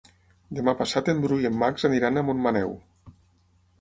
Demà passat en Bru i en Max aniran a Montmaneu.